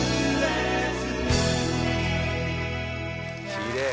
きれい。